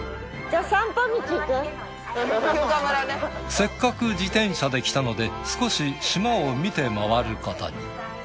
せっかく自転車で来たので少し島を見て回ることに。